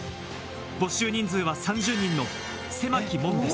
募集人数は３０人の狭き門です。